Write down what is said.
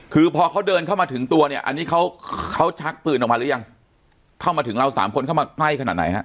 คือพอเขาเดินเข้ามาถึงตัวเนี่ยอันนี้เขาเขาชักปืนออกมาหรือยังเข้ามาถึงเราสามคนเข้ามาใกล้ขนาดไหนฮะ